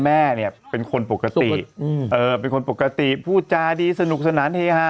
แม่เนี่ยเป็นคนปกติเป็นคนปกติพูดจาดีสนุกสนานเฮฮา